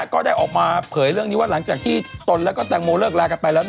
ก็ได้ออกมาเผยเรื่องนี้ว่าหลังจากที่ตนแล้วก็แตงโมเลิกลากันไปแล้ว